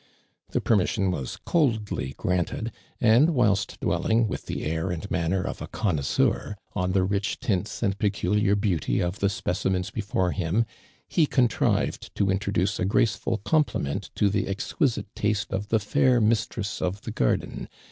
The permission was coldly granted, and whilst dwelling, with the air and manner of a connoisseur, on the rich tints and peculiar beauty of the specimens before him, he contrived to introduce a graceful compliment to the exquisite taste of the fair mistrei's of the garder.